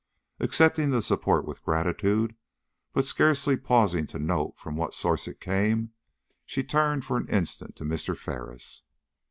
Accepting the support with gratitude, but scarcely pausing to note from what source it came, she turned for an instant to Mr. Ferris.